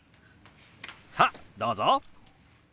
さあどうぞ！